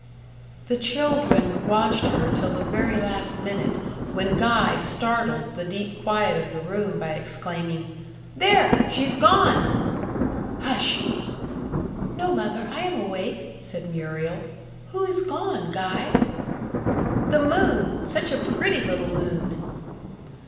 The children watched her till the very last minute, when Guy startled the deep quiet of the room by exclaiming "There she's gone." "Hush!" "No, mother, I am awake," said Muriel. "Who is gone, Guy?" "The moon such a pretty little moon."